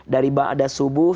dari ada subuh